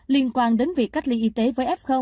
liên quan đến việc cách ly y tế với f